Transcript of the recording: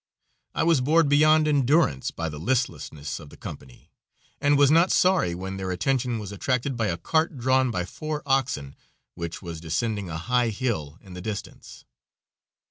I was bored beyond endurance by the listlessness of the company, and was not sorry when their attention was attracted by a cart drawn by four oxen, which was descending a high hill in the distance.